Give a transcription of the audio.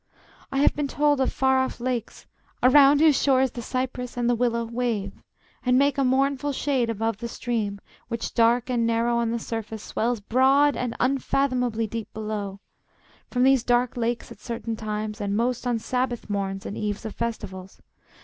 I have been told of far off lakes, around Whose shores the cypress and the willow wave, And make a mournful shade above the stream. Which, dark, and narrow on the surface, swells Broad and unfathomably deep below; From these dark lakes at certain times, and most On Sabbath morns and eves of festivals.